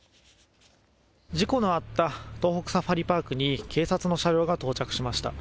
事故のあった東北サファリパークに警察の車両が到着しました。